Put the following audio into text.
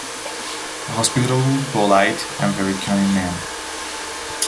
A hospitable, polite, and very cunning man.